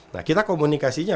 nah kita komunikasinya